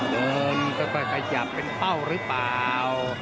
เดินค่อยขยับเป็นเป้าหรือเปล่า